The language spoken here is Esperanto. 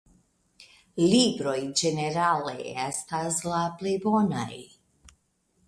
Libroj ĝenerale estas la plej bonaj.